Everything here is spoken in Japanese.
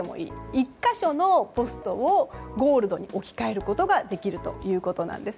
１か所のポストをゴールドに置き換えることができるということです。